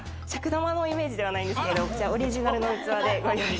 尺玉のイメージはないんですけど、オリジナルの器で。